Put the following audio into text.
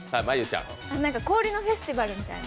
氷のフェスティバルみたいな。